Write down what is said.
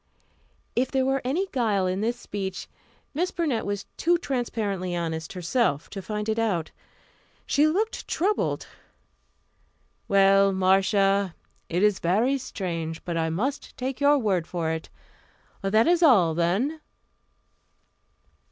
If there were any guile in this speech, Miss Burnett was too transparently honest herself to find it out. She looked troubled. "Well, Marcia, it is very strange, but I must take your word for it. That is all, then."